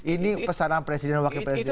ini pesanan presiden dan wakil presiden